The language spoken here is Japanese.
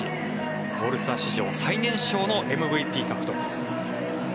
オールスター史上最年少のＭＶＰ獲得。